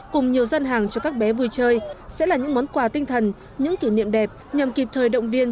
cùng nhiều gian hàng cho các bé vui chơi sẽ là những món quà tinh thần những kỷ niệm đẹp nhằm kịp thời động viên